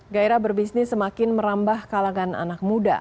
gairah berbisnis semakin merambah kalangan anak muda